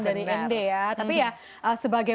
dari inde ya tapi ya sebagai